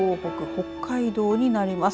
北海道になります。